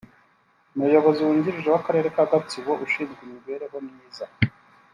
Umuyobozi wungirije w’Akarere ka Gatsibo ushinzwe imibereho myiza